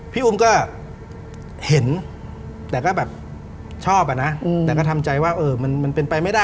พี่อุ้มก็เห็นแต่ก็ชอบแต่ก็ทำใจว่ามันเป็นไปไม่ได้